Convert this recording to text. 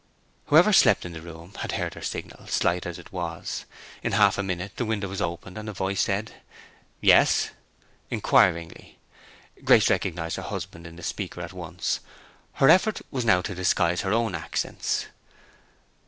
Whoever slept in the room had heard her signal, slight as it was. In half a minute the window was opened, and a voice said "Yes?" inquiringly. Grace recognized her husband in the speaker at once. Her effort was now to disguise her own accents.